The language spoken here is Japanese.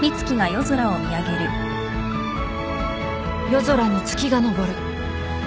［夜空に月が昇る］